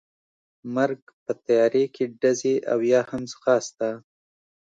مرګ، په تیارې کې ډزې او یا هم ځغاسته.